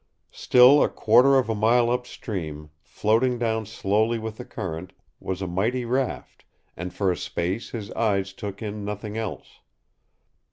Still a quarter of a mile upstream, floating down slowly with the current, was a mighty raft, and for a space his eyes took in nothing else.